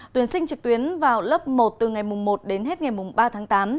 tuyển sinh trực tuyến vào lớp một từ ngày mùng một đến hết ngày mùng ba tháng tám